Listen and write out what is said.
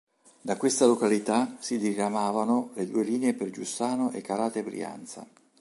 Da questa località si diramavano le due linee per Giussano e Carate Brianza.